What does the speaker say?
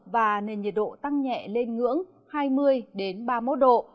và nền nhiệt độ tăng nhẹ lên ngưỡng hai mươi ba mươi một độ